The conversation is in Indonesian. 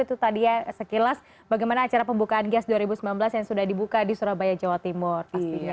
itu tadi ya sekilas bagaimana acara pembukaan gias dua ribu sembilan belas yang sudah dibuka di surabaya jawa timur pastinya